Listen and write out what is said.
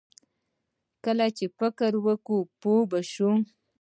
کله چې فکر وکړې، پوه به شې!